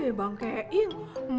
eh bang keing